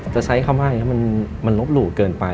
จะใช้คำว่าอย่างนี้มันลบหลู่เกินไป